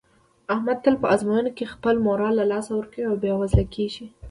احمد تل په ازموینه کې خپل مورال له لاسه ورکوي او بې زړه کېږي.